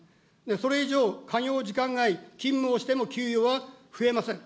それ以上、稼業時間外、勤務をしても給与は増えません。